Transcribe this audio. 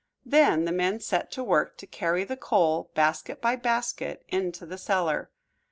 Then the men set to work to carry the coal, basket by basket, into the cellar.